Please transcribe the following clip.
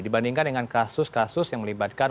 dibandingkan dengan kasus kasus yang melibatkan